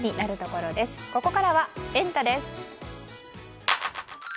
ここからはエンタ！です。